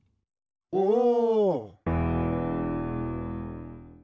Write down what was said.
おお！